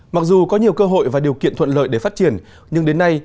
mặc dù có nhiều cơ hội và điều kiện thuận lợi để phát triển nhưng đến nay